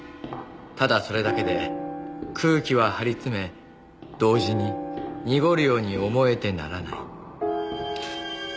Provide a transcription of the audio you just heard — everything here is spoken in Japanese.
「ただそれだけで空気は張り詰め同時に濁るように思えてならない」